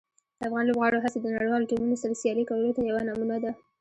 د افغان لوبغاړو هڅې د نړیوالو ټیمونو سره سیالي کولو ته یوه نمونه ده.